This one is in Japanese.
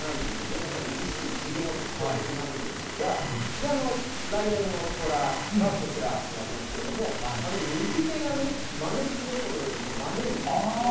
またりりしいひげも特徴的なんですが、来年のとらはこちらにありますけれども、右手が招き猫のように招いている。